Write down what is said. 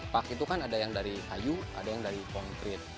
park itu kan ada yang dari kayu ada yang dari konkret